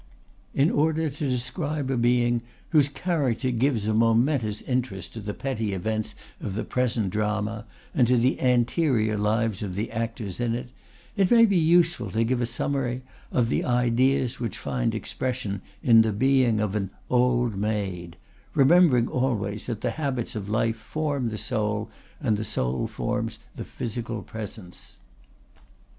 In order to describe a being whose character gives a momentous interest to the petty events of the present drama and to the anterior lives of the actors in it, it may be useful to give a summary of the ideas which find expression in the being of an Old Maid, remembering always that the habits of life form the soul, and the soul forms the physical presence.